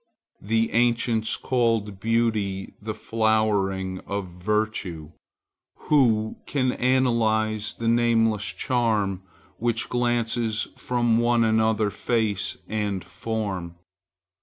The ancients called beauty the flowering of virtue. Who can analyze the nameless charm which glances from one and another face and form?